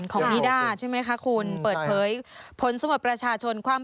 ๑๕๐คนบอกเลยว่า